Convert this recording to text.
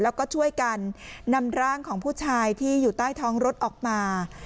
แล้วก็ช่วยกันนำร่างของผู้ชายที่อยู่ใต้ท้องรถออกมา